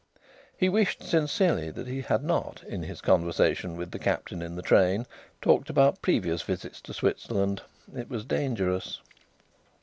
He wished sincerely that he had not, in his conversation with the Captain in the train, talked about previous visits to Switzerland. It was dangerous.